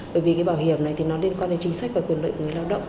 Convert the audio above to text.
bởi vì cái bảo hiểm này thì nó liên quan đến chính sách và quyền lợi của người lao động